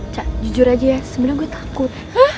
cak jujur aja ya sebenernya gua takut